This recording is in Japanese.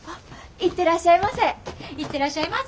行ってらっしゃいます！